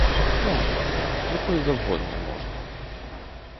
Можна, якої завгодно можна!